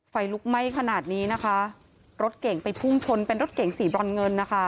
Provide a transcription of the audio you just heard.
ไฟลุกไหม้ขนาดนี้นะคะรถเก่งไปพุ่งชนเป็นรถเก๋งสีบรอนเงินนะคะ